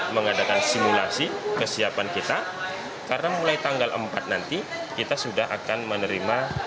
mengadakan simulasi kesiapan kita karena mulai tanggal empat nanti kita sudah akan menerima